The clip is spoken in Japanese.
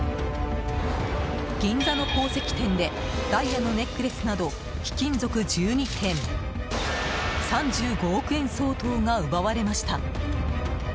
銀座の宝石店でダイヤのネックレスなど貴金属１２点３５億円相当が奪われました。